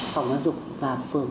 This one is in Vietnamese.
phòng giáo dục và phường